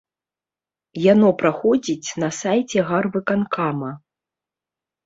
Яно праходзіць на сайце гарвыканкама.